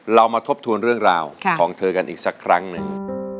เรามาทบทวนเรื่องราวของเธอกันอีกสักครั้งหนึ่ง